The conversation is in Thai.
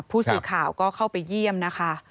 ผู้สื่อข่าวก็เข้าไปเยี่ยมนะคะ